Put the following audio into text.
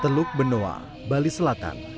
teluk benoa bali selatan